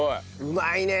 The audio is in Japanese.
うまいね！